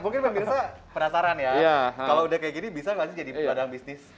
mungkin pak mirsa penasaran ya kalau sudah seperti ini bisa nggak jadi badan bisnis